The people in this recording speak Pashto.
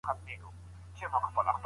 د ابوهريره رضی الله عنه نه روایت دی، چې: